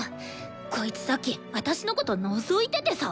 こいつさっき私のことのぞいててさ。